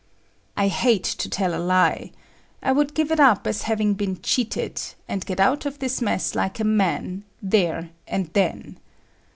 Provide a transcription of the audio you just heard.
I hate to tell a lie; I would give it up as having been cheated, and get out of this mess like a man there and then.